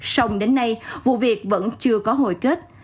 xong đến nay vụ việc vẫn chưa có hồi kết